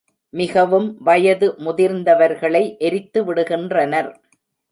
மிகவும் வயது முதிர்ந்தவர்களை எரித்துவிடுகின்றனர்.